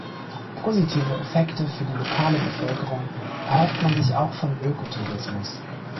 Positive Effekte für die lokale Bevölkerung erhofft man sich auch vom Ökotourismus.